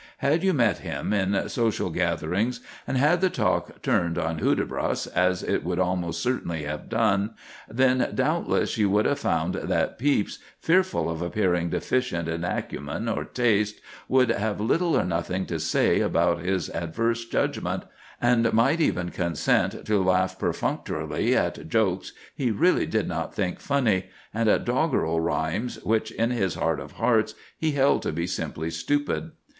Had you met him in social gatherings, and had the talk turned on "Hudibras," as it would almost certainly have done, then, doubtless, you would have found that Pepys, fearful of appearing deficient in acumen or taste, would have little or nothing to say about his adverse judgment, and might even consent to laugh perfunctorily at jokes he really did not think funny, and at doggerel rhymes which in his heart of hearts he held to be simply stupid.